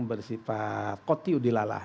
bersifat qoti udilalah